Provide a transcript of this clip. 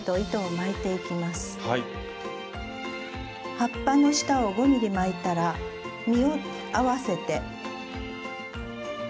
葉っぱの下を５ｍｍ巻いたら実を合わせて。